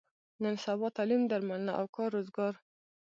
نن سبا تعلیم، درملنه او کار روزګار.